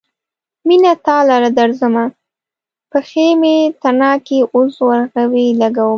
مينه تا لره درځمه : پښې مې تڼاکې اوس ورغوي لګومه